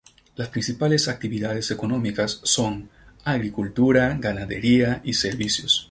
Las principales actividades económicas son: agricultura, ganadería y servicios.